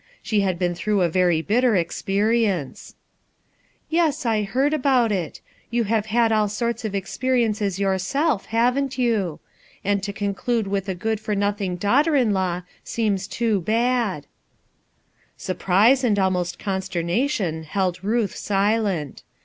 She had been through a very bitter experience," "Yes, I heard about it You haro had all sorts of experiences yourself, haven't you? And to conclude with a good for nothing daugh ter in law seems too bad I" Surprise and aim rat consternation held Ruth silent.